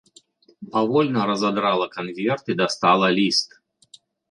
Павольна разадрала канверт і дастала ліст.